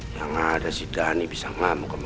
yang ada si dhani bisa ngamuk sama gue